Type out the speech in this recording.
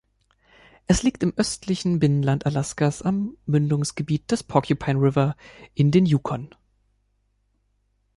Es liegt im östlichen Binnenland Alaskas am Mündungsgebiet des Porcupine River in den Yukon.